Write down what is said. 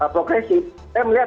progresif eh melihat